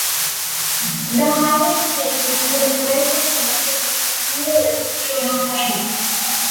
The highway stays within the reservation for much of its remaining length through Montana.